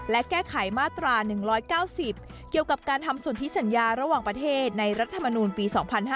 และแก้ไขมาตรา๑๙๐เกี่ยวกับการทำส่วนที่สัญญาระหว่างประเทศในรัฐมนูลปี๒๕๕๙